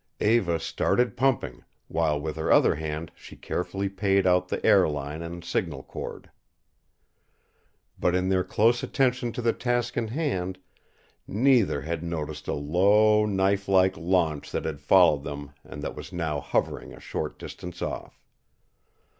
Eva started pumping, while with her other hand she carefully paid out the air line and signal cord. But in their close attention to the task in hand, neither had noticed a low, knifelike launch that had followed them and that was now hovering a short distance off.